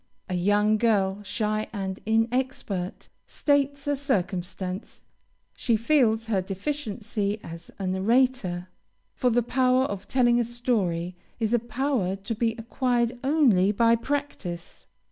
A young girl, shy and inexpert, states a circumstance; she feels her deficiency as a narrator, for the power of telling a story, is a power to be acquired only by practice.